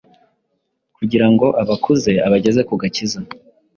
kugira ngo abakuze, abageze ku gakiza: